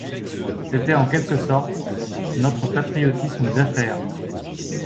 C’était en quelque sorte, notre patriotisme d’affaires.